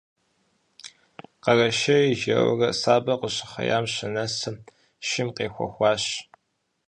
Къэрэшейр жэурэ сабэр къыщыхъеям щынэсым, шым къехуэхащ.